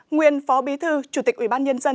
nguyên phó bí thư chủ tịch ubnd tỉnh sơn la